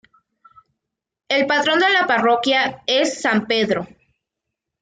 El patrón de la parroquia es San Pedro.